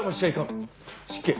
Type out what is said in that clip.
失敬。